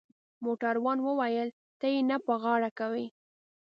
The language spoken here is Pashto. موټروان وویل: ته يې نه په غاړه کوې؟